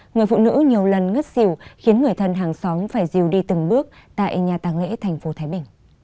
người phụ nữ nhiều lần ngất xỉu khiến người thân hàng xóm phải dìu đi từng bước tại nhà tàng lễ tp thái bình